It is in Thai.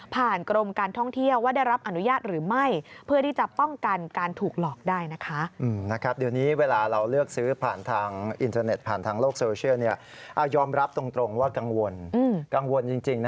ผ่านกรมการท่องเที่ยวว่าได้รับอนุญาตหรือไม่